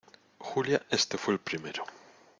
Julia, este fue el primero.